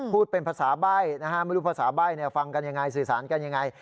เป็นภาษาใบ้นะฮะไม่รู้ภาษาใบ้ฟังกันยังไงสื่อสารกันยังไง